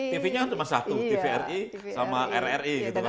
tv nya cuma satu tvri sama rri gitu kan